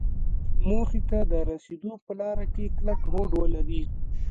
موخې ته د رسېدو په لاره کې کلک هوډ ولري.